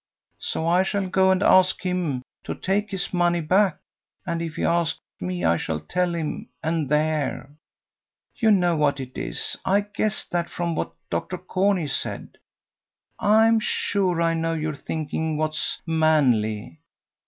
So I shall go and ask him to take his money back, and if he asks me I shall tell him, and there. You know what it is: I guessed that from what Dr. Corney said. I'm sure I know you're thinking what's manly.